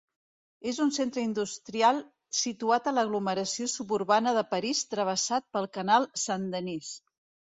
És un centre industrial situat a l'aglomeració suburbana de París travessat pel canal Saint-Denis.